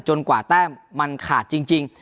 กว่าแต้มมันขาดจริง